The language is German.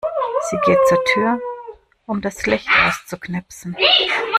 Sie geht zur Tür, um das Licht auszuknipsen.